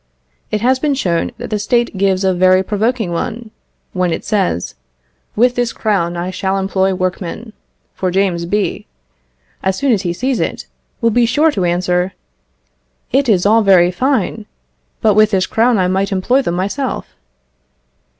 It has been shown that the State gives a very provoking one, when it says, "With this crown I shall employ workmen;" for James B. (as soon as he sees it) will be sure to answer, "It is all very fine, but with this crown I might employ them myself."